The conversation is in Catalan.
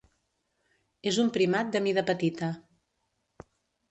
És un primat de mida petita.